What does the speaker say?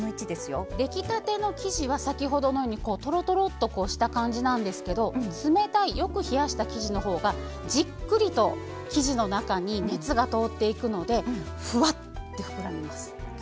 出来たての生地は先ほどのようにとろとろっとした感じなんですけど冷たいよく冷やした生地のほうがじっくりと生地の中に熱が通っていくのでふわって膨らみます。